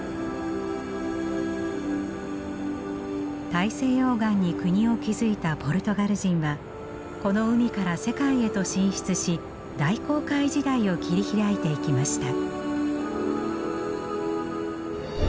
大西洋岸に国を築いたポルトガル人はこの海から世界へと進出し大航海時代を切り開いていきました。